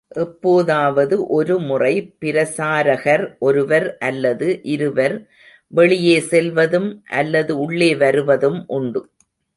எப்போதாவது ஒருமுறை பிரசாரகர் ஒருவர் அல்லது இருவர் வெளியே செல்வதும் அல்லது உள்ளே வருவதும் உண்டு.